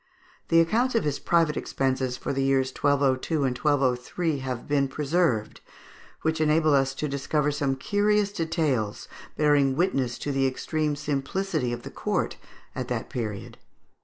The accounts of his private expenses for the years 1202 and 1203 have been preserved, which enable us to discover some curious details bearing witness to the extreme simplicity of the court at that period.